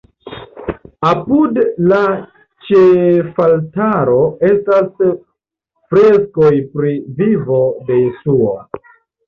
Apud la ĉefaltaro estas freskoj pri vivo de Jesuo.